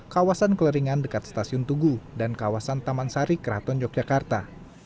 kawasan keleringan dekat stasiun tugu dan kawasan taman sari keraton yogyakarta